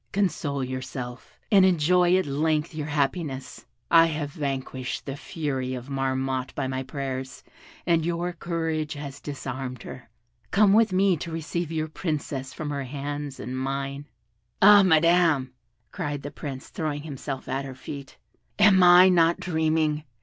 Console yourself, and enjoy at length your happiness. I have vanquished the fury of Marmotte by my prayers, and your courage has disarmed her: come with me to receive your Princess from her hands and mine." "Ah, Madam," cried the Prince, throwing himself at her feet, "am I not dreaming?